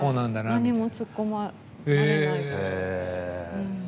何も突っ込まれない。